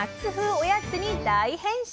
おやつに大変身！